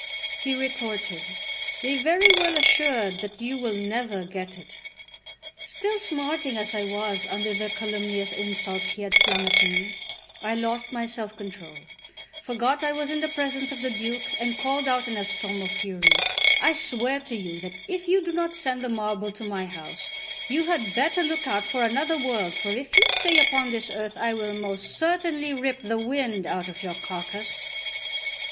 He retorted: "Be very well assured that you will never get it." Still smarting as I was under the calumnious insults he had flung at me, I lost my self control, forgot I was in the presence of the Duke, and called out in a storm of fury: "I swear to you that if you do not send the marble to my house, you had better look out for another world, for if you stay upon this earth I will most certainly rip the wind out of your carcass.